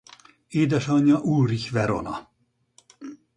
Édesanyja Ulrich Verona.